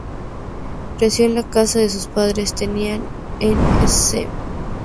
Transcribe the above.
Creció en la casa que sus padres tenían en Sceaux.